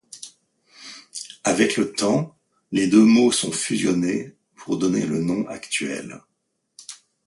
Avec le temps, les deux mots sont fusionnés pour donner le nom actuel.